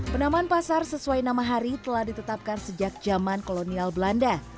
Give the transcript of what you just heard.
penamaan pasar sesuai nama hari telah ditetapkan sejak zaman kolonial belanda